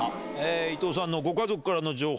伊藤さんのご家族からの情報。